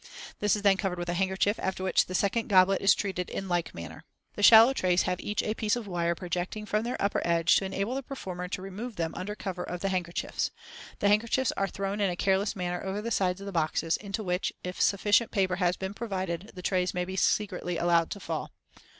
This is then covered with a handkerchief, after which the second goblet is treated in like manner. The shallow trays have each a piece of wire projecting from their upper edge to enable the performer to remove them under cover of the handkerchiefs. The handkerchiefs are thrown in a careless manner over the sides of the boxes, into which, if sufficient paper has been provided, the trays may be secretly allowed to fall.